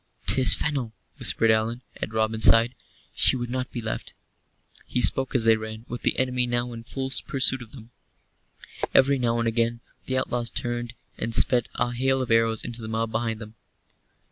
"'Tis Fennel," whispered Allan, at Robin's side. "She would not be left." He spoke as they ran, with the enemy now in full pursuit of them. Every now and again the outlaws turned and sped a hail of arrows into the mob behind them.